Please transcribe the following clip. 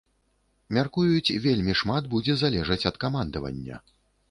Мяркуюць, вельмі шмат будзе залежаць ад камандавання.